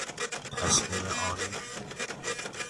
تصمیم آنی